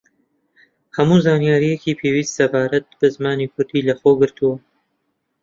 هەموو زانیارییەکی پێویستی سەبارەت بە زمانی کوردی لە خۆگرتووە